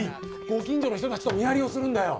ご近所の人たちと見張りをするんだよ。